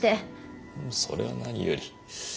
それは何より。